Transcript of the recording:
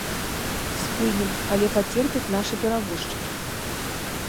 Спынім, але пацерпяць нашы перавозчыкі.